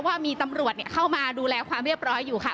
ว่ามีตำรวจเข้ามาดูแลความเรียบร้อยอยู่ค่ะ